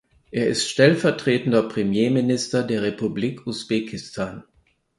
Er ist Stellvertretender Premierminister der Republik Usbekistan.